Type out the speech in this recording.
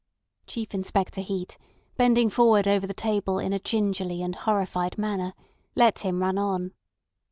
Chief Inspector Heat, bending forward over the table in a gingerly and horrified manner, let him run on.